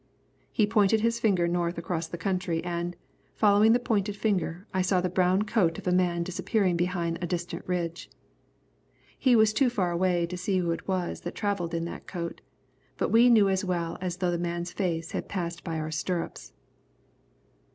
He pointed his finger north across the country and, following the pointed finger, I saw the brown coat of a man disappearing behind a distant ridge. It was too far away to see who it was that travelled in that coat, but we knew as well as though the man's face had passed by our stirrups.